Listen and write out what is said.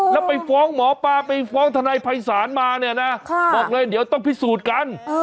แล้วไปฟ้องหมอปลาไปฟ้องทนายภัยศาลมาเนี่ยนะบอกเลยเดี๋ยวต้องพิสูจน์กัน